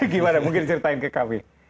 gimana mungkin ceritain ke kami